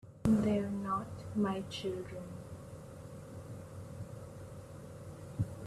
They're not my children.